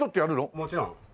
もちろん。